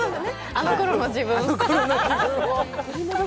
あのころの自分を。